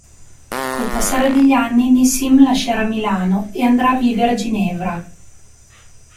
Col passare degli anni Nissim lascerà Milano e andrà a vivere a Ginevra.